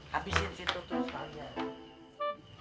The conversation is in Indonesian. habisin situ terus pak